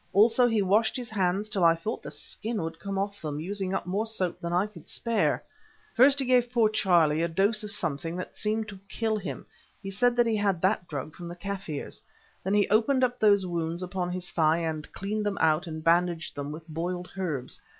Also he washed his hands till I thought the skin would come off them, using up more soap than I could spare. First he gave poor Charlie a dose of something that seemed to kill him; he said he had that drug from the Kaffirs. Then he opened up those wounds upon his thigh and cleaned them out and bandaged them with boiled herbs.